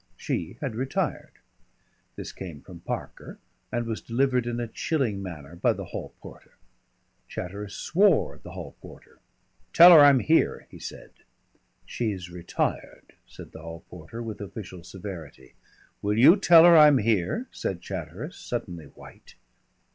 She had retired. This came from Parker, and was delivered in a chilling manner by the hall porter. Chatteris swore at the hall porter. "Tell her I'm here," he said. "She's retired," said the hall porter with official severity. "Will you tell her I'm here?" said Chatteris, suddenly white.